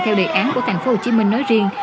theo đề án của thành phố hồ chí minh nói riêng